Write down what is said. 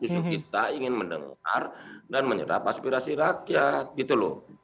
justru kita ingin mendengar dan menyerap aspirasi rakyat gitu loh